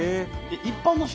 一般の人？